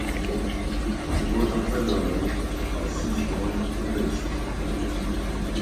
Roger Federer has since joined the list.